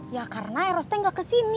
ya karena eros teh nggak kesini